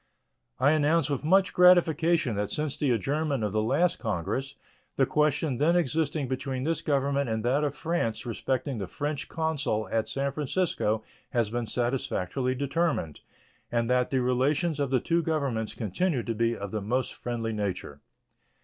I announce with much gratification that since the adjournment of the last Congress the question then existing between this Government and that of France respecting the French consul at San Francisco has been satisfactorily determined, and that the relations of the two Governments continue to be of the most friendly nature.